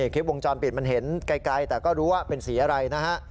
คลิปวงจรปิดมันเห็นไกลแต่ก็รู้ว่าเป็นสีอะไรนะฮะ